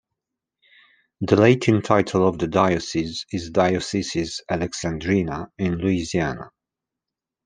The Latin title of the diocese is Dioecesis Alexandrina in Louisiana.